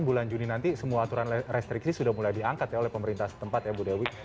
bulan juni nanti semua aturan restriksi sudah mulai diangkat ya oleh pemerintah setempat ya bu dewi